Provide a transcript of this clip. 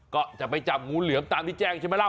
ก็จะไปจับงูเหลือมตามที่แจ้งใช่ไหมเล่า